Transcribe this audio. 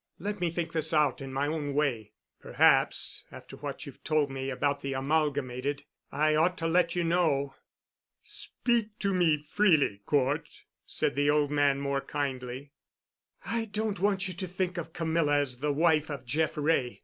Let me think this out in my own way. Perhaps, after what you've told me about the Amalgamated, I ought to let you know." "Speak to me freely, Cort," said the old man more kindly. "I don't want you to think of Camilla as the wife of Jeff Wray.